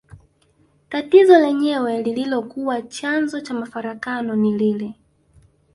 Tatizo lenyewe lililokuwa chanzo cha mafarakano ni lile